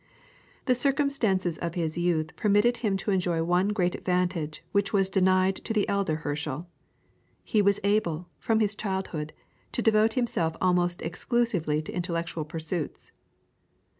The circumstances of his youth permitted him to enjoy one great advantage which was denied to the elder Herschel. He was able, from his childhood, to devote himself almost exclusively to intellectual pursuits.